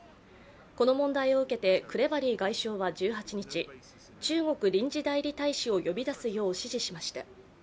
この問題を受けてクレバリー外相は１８日、中国臨時代理大使を呼び出すよう指示しました。